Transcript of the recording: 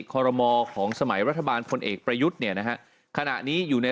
คอรมอของสมัยรัฐบาลพลเอกประยุทธ์เนี่ยนะฮะขณะนี้อยู่ใน